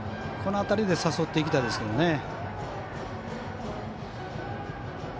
この辺りで誘っていきたいですね。